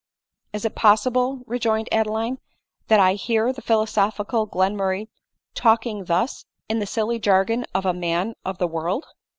" Is it possible," rejoined Adeline, " that I hear the philosophical Glenmurray talking thus, in the silly jargon of a man of the world